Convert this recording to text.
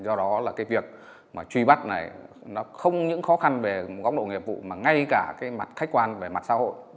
do đó là cái việc mà truy bắt này nó không những khó khăn về góc độ nghiệp vụ mà ngay cả cái mặt khách quan về mặt xã hội